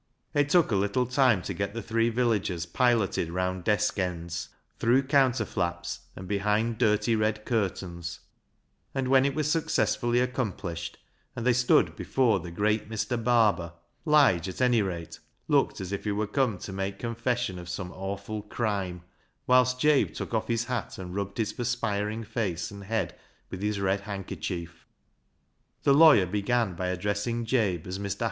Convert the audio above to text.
It took a little time to get the three villagers piloted round desk ends, through counter flaps, and behind dirty red curtains, and when it was successfully accomplished, and they stood before the great Mr. Barber, Lige, at any rate, looked as if he were come to make confession of some awful crime, whilst Jabe took off his hat and rubbed his LIGE'S LEGACY i6i perspiring face and head with his red hand kerchief. The lawyer began by addressing Jabe as I\Ir.